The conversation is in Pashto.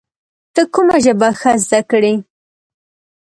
ته کوم ژبه ښه زده کړې؟